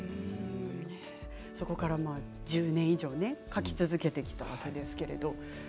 そこから１０年以上書き続けてきたわけですね。